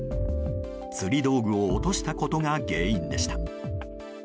釣り道具を落としたことが原因でした。